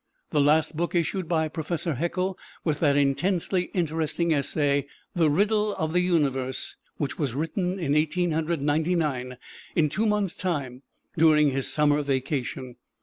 The last book issued by Professor Haeckel was that intensely interesting essay, "The Riddle of the Universe," which was written in Eighteen Hundred Ninety nine, in two months' time, during his summer vacation.